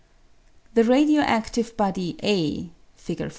The radio adive body A (Fig.